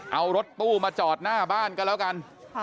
เอารถตู้มาจอดหน้าบ้านก็แล้วกัน